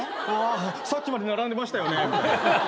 「さっきまで並んでましたよね」